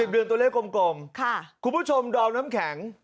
เดือนตัวเลขกลมคุณผู้ชมดอมน้ำแข็ง